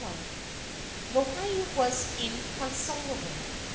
Lohiau was inconsolable.